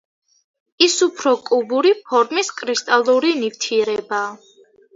ის უფრო კუბური ფორმის კრისტალური ნივთიერებაა.